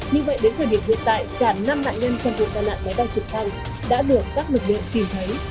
như vậy đến thời điểm hiện tại cả năm nạn nhân trong vụ tai nạn máy bay đang trực thăng đã được các lực lượng tìm thấy